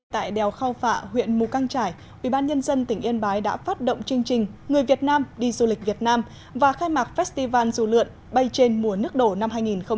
tại đèo khao phạ huyện mù căng trải ubnd tỉnh yên bái đã phát động chương trình người việt nam đi du lịch việt nam và khai mạc festival dù lượn bay trên mùa nước đổ năm hai nghìn một mươi chín